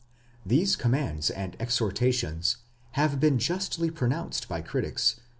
These commands and exhortations have been justly pronounced by critics?